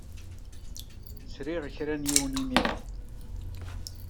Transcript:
Sriɣ kra n yiwen imir-a.